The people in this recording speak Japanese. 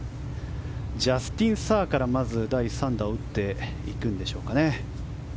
ジャスティン・サーからまず第３打を打っていくんでしょうかね。